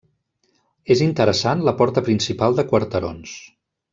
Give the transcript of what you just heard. És interessant la porta principal de quarterons.